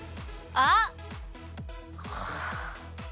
あっ！